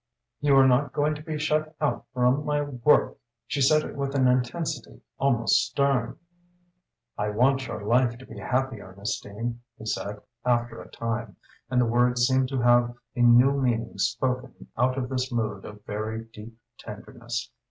"You are not going to be shut out from my work!" she said it with an intensity almost stern. "I want your life to be happy, Ernestine," he said, after a time, and the words seemed to have a new meaning spoken out of this mood of very deep tenderness.